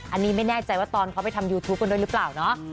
อันนี้ไม่แน่ใจว่าตอนเขาไปทำยูทูปกันด้วยหรือเปล่าเนาะ